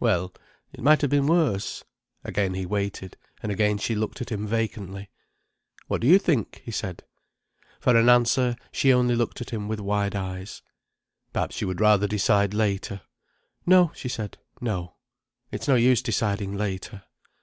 Well—it might have been worse." Again he waited. And again she looked at him vacantly. "What do you think?" he said. For answer, she only looked at him with wide eyes. "Perhaps you would rather decide later." "No," she said. "No. It's no use deciding later."